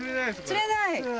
釣れない？